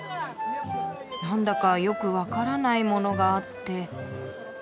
なんだかよく分からないものがあって。